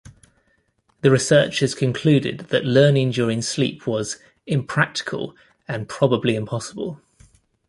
The researchers concluded that learning during sleep was "impractical and probably impossible".